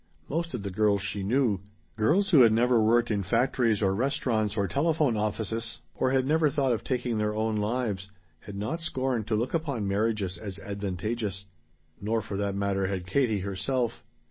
Most of the girls she knew girls who had never worked in factories or restaurants or telephone offices, or had never thought of taking their own lives, had not scorned to look upon marriages as advantageous. Nor, for that matter, had Katie herself.